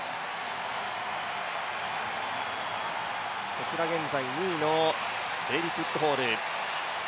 こちら現在２位のデイビスウッドホール。